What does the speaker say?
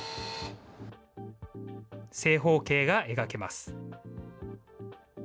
正方形が描けます。